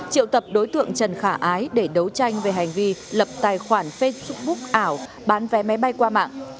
triệu tập đối tượng trần khả ái để đấu tranh về hành vi lập tài khoản facebook ảo bán vé máy bay qua mạng